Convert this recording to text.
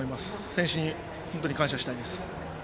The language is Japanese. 選手に本当に感謝したいです。